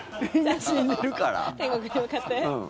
天国に向かって？